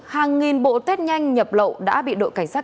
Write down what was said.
hàng nghìn bộ test nhanh nhập lậu đã bị đội cảnh sát